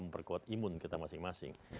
memperkuat imun kita masing masing